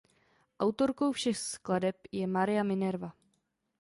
Autorkou všech skladeb je Maria Minerva.